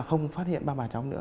không phát hiện ba bà cháu nữa